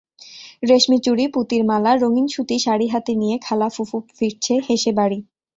রেশমি চুড়ি, পুঁতির মালা, রঙিন সুতি শাড়িহাতে নিয়ে খালা ফুপু ফিরছে হেসে বাড়ি।